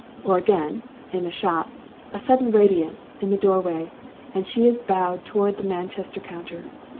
Or again, in the shop, a sudden radiance in the doorway, and she is bowed towards the Manchester counter.